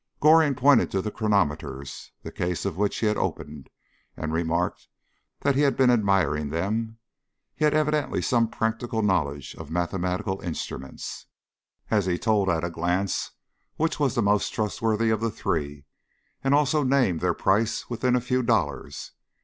Goring pointed to the chronometers, the case of which he had opened, and remarked that he had been admiring them. He has evidently some practical knowledge of mathematical instruments, as he told at a glance which was the most trustworthy of the three, and also named their price within a few dollars.